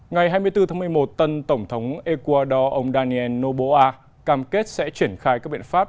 ngày hai mươi bốn tháng một mươi một tân tổng thống ecuador daniel noboa cam kết sẽ triển khai các biện pháp